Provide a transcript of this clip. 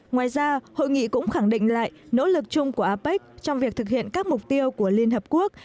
ngoài ra hội nghị cũng khẳng định lại nỗ lực chung của apec trong việc thực hiện các mục tiêu của liên hợp quốc